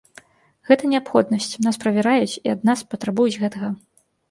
Гэта неабходнасць, нас правяраюць, і ад нас патрабуюць гэтага.